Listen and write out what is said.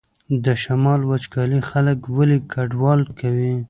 د شمال وچکالي خلک ولې کډوال کوي؟